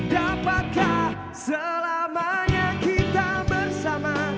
dapatkah selamanya kita bersama